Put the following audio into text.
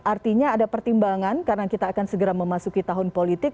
artinya ada pertimbangan karena kita akan segera memasuki tahun politik